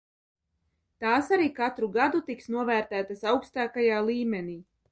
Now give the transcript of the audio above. Tās arī katru gadu tiks novērtētas augstākajā līmenī.